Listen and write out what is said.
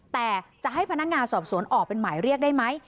แต่จะให้พนักงานสอบสวนออกเป็นหมายเรียกได้ไหม